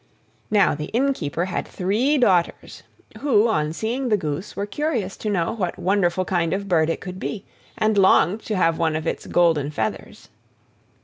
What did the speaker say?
Now the innkeeper had three daughters, who on seeing the goose were curious to know what wonderful kind of a bird it could be, and longed to have one of its golden feathers.